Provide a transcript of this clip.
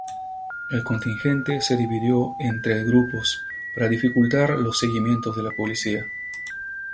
El contingente se dividió en tres grupos para dificultar los seguimientos de la policía.